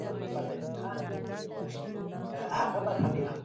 زدهکوونکي د ښوونځي ښه فعالیت ستایي.